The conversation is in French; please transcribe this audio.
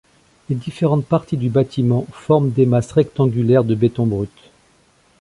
Les différentes parties du bâtiment forment des masses rectangulaires de béton brut.